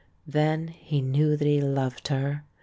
Then he knew that he loved her.